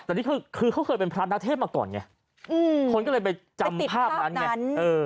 แต่นี่คือเขาเคยเป็นพระนาเทพมาก่อนไงคนก็เลยไปจำภาพนั้น